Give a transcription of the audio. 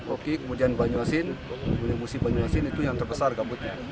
oki kemudian banyuasin musim banyuasin itu yang terbesar gambutnya